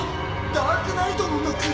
ダークナイトモンの首！